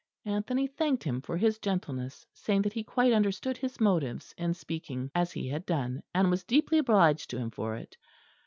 Anthony thanked him for his gentleness; saying that he quite understood his motives in speaking as he had done, and was deeply obliged to him for it.